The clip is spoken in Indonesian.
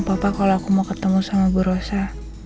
aku gak bilang papa kalau aku mau ketemu sama bu rosa